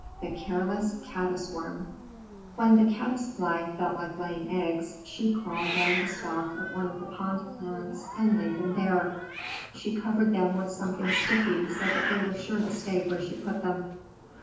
THE CARELESS CADDIS WORM When the Caddis Fly felt like laying eggs, she crawled down the stalk of one of the pond plants and laid them there. She covered them with something sticky, so that they were sure to stay where she put them.